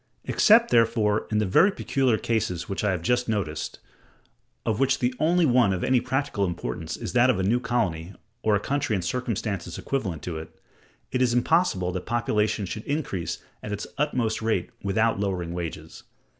Except, therefore, in the very peculiar cases which I have just noticed, of which the only one of any practical importance is that of a new colony, or a country in circumstances equivalent to it, it is impossible that population should increase at its utmost rate without lowering wages.